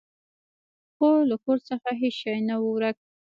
خو له کور څخه هیڅ شی نه و ورک.